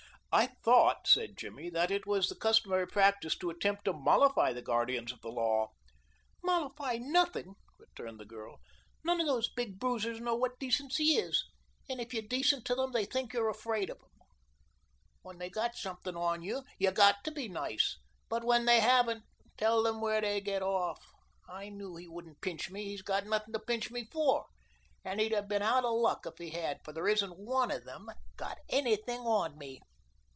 "I thought," said Jimmy, "that it was the customary practise to attempt to mollify the guardians of the law." "Mollify nothing," returned the girl. "None of these big bruisers knows what decency is, and if you're decent to them they think you're afraid of them. When they got something on you you got to be nice, but when they haven't, tell them where they get off. I knew he wouldn't pinch me; he's got nothing to pinch me for, and he'd have been out of luck if he had, for there hasn't one of them got anything on me."